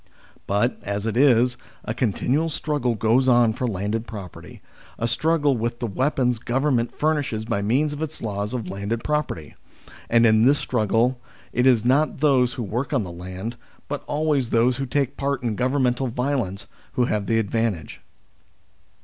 But, as it is, a continual struggle goes on for landed property ; a struggle with the weapons Govern ment furnishes by means of its laws of landed property. And in this struggle it is not those who work on the land, but always those who take part in governmental violence, who have the advantage.